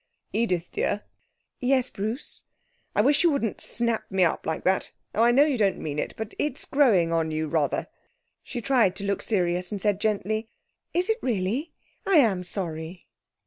'Edith, dear.' 'Yes, Bruce.' 'I wish you wouldn't snap me up like that. Oh, I know you don't mean it, but it's growing on you, rather.' She tried to look serious, and said gently, 'Is it, really? I am sorry.'